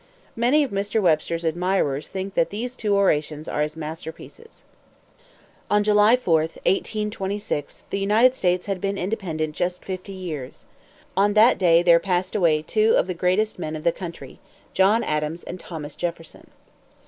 Many of Mr. Webster's admirers think that these two orations are his masterpieces. On July 4th, 1826, the United States had been independent just fifty years. On that day there passed away two of the greatest men of the country John Adams and Thomas Jefferson.